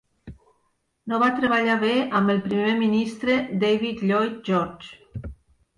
No va treballar bé amb el Primer Ministre David Lloyd George.